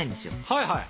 はいはい。